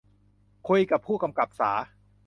คุยกับผู้กำกับสา